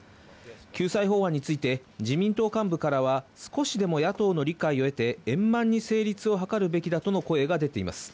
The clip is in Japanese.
救済法案について自民党幹部からは少しでも野党の理解を得て、円満に成立を図るべきだとの声が出ています。